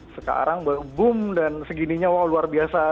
sekarang boom dan segininya wah luar biasa